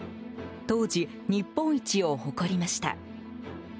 当時、日本一を誇りました。